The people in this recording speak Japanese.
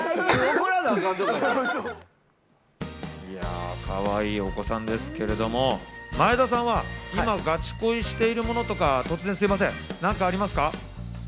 いや、かわいいお子さんですけれども、前田さんは今、ガチ恋しているものとか突然すみません、何かありますか？